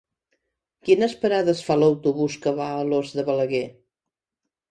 Quines parades fa l'autobús que va a Alòs de Balaguer?